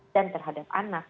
dan terhadap anak